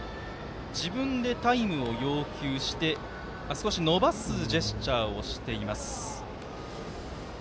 自分でタイムを要求して伸ばすジェスチャーをしています。